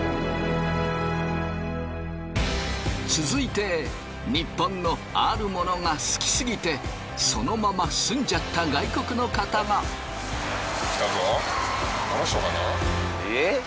続いてニッポンのあるものが好きすぎてそのまま住んじゃった外国の方が。来たぞ。